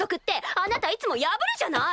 あなたいつも破るじゃない！